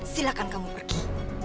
silakan kamu pergi